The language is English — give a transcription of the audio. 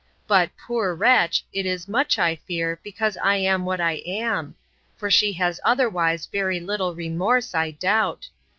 But, poor wretch! it is much, I fear, because I am what I am; for she has otherwise very little remorse I doubt.